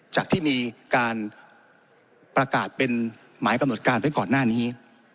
จากที่มีการประกาศเป็นหมายกำหนดการไว้ก่อนหน้านี้